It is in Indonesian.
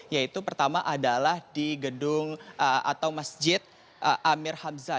yaitu pertama adalah di gedung atau masjid amir hamzah